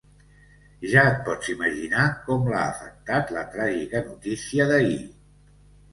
Ja et pots imaginar com l'ha afectat la tràgica notícia d'ahir.